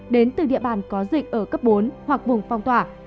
đến từ địa bàn có dịch ở cấp bốn hoặc vùng phong tỏa